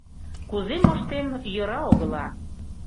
Кузе моштем — йӧра огыла.